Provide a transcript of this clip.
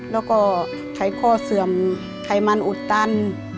แล้วก็ไขข้อเสื่อมไขมันอุดตัน